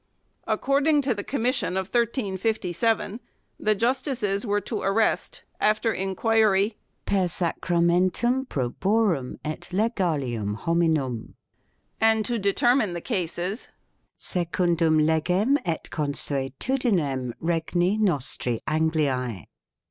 According to the commission of 1357 the justices were to arrest after inquiry "per sacramentum proborum et legalium hominum," and to determine the cases "secundum legem et consuetu dinem regni nostri Angliae